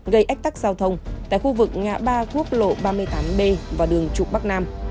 gây ách tắc giao thông tại khu vực ngã ba quốc lộ ba mươi tám b và đường trục bắc nam